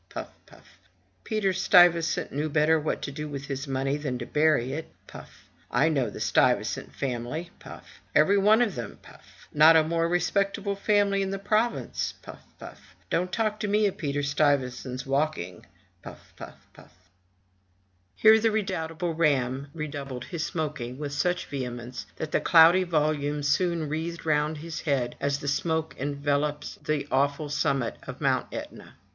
— puff — puff — Peter Stuyvesant knew better what to do with his money than to bury it — ^puff — I know the Stuyvesant family — puff — every one of them — puff — not a more respectable family in the province — puff — ^puff — Don't talk to me of Peter Stuyvesant's walking — puff — puff — puff. '' 11 Im i^g %M ^i: 1^1 M ^¥^ B L • jp ^ iP 113 MY BOOK HOUSE Here the redoubtable Ramm redoubled his smoking with such vehemence, that the cloudy volume soon wreathed round his head, as the smoke envelops the awful summit of Mount Aetna.